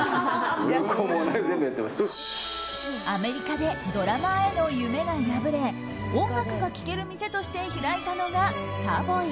アメリカでドラマーへの夢が破れ音楽が聴ける店として開いたのがＳＡＶＯＹ。